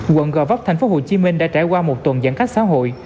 quận gò vấp thành phố hồ chí minh đã trải qua một tuần giãn cách xã hội